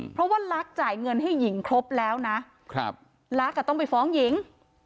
เพราะว่ารักจ่ายเงินให้หญิงครบแล้วนะรักต้องไปฟ้องหญิง